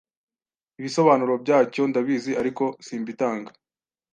Ibisobanuro byacyo ndabizi ariko simbitanga